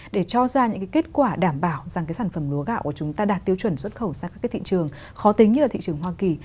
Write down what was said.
để cho ra những cái kết quả đảm bảo rằng cái sản phẩm lúa gạo của chúng ta đạt tiêu chuẩn xuất khẩu sang các cái thị trường khó tính như ở thị trường hoa kỳ